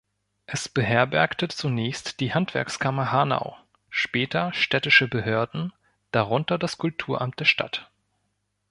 Es beherbergte zunächst die Handwerkskammer Hanau, später städtische Behörden, darunter das Kulturamt der Stadt.